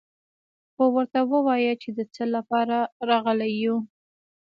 خو ورته ووايه چې د څه له پاره راغلي يو.